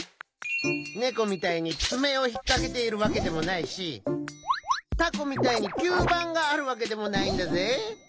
ネコみたいにつめをひっかけているわけでもないしタコみたいにきゅうばんがあるわけでもないんだぜ？